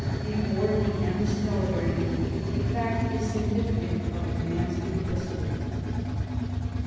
Before the Ems telegram, the fact is significant of the man's du plicity.